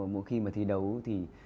mỗi khi mà thi đấu thì